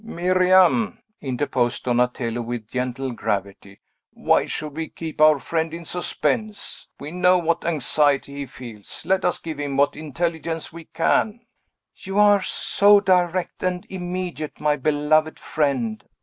"Miriam," interposed Donatello with gentle gravity, "why should we keep our friend in suspense? We know what anxiety he feels. Let us give him what intelligence we can." "You are so direct and immediate, my beloved friend!"